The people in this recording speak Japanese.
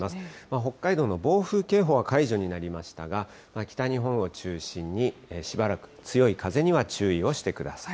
北海道の暴風警報は解除になりましたが、北日本を中心に、しばらく強い風には注意をしてください。